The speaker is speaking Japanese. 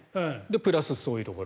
プラスそういうところ。